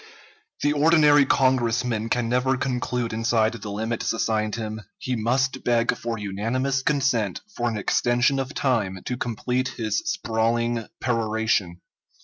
The ordinary Congressman can never conclude inside the limits assigned him; he must beg for unanimous consent for an extension of time to complete his sprawling peroration.